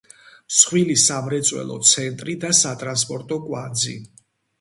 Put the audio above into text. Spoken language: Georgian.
მსხვილი სამრეწველო ცენტრი და სატრანსპორტო კვანძი.